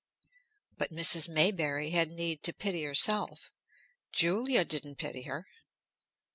But Mrs. Maybury had need to pity herself; Julia didn't pity her.